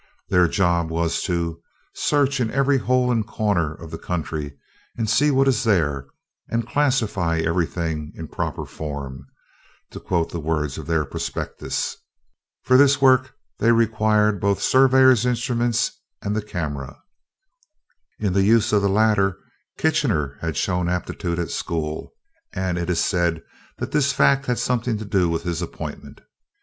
Their job was "to search in every hole and corner of the country and see what is there, and classify everything in proper form" to quote the words of their prospectus. For this work they required both the surveyor's instrument and the camera. In the use of the latter, Kitchener had shown aptitude at school; and it is said that this fact had something to do with his appointment.